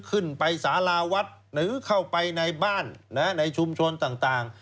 ขึ้นไปสาราวัดหรือเข้าไปในบ้านในชุมชนต่าง